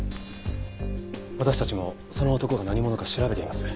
私たちもその男が何者か調べています。